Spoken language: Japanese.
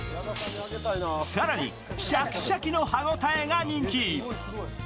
更にシャキシャキの歯応えが人気。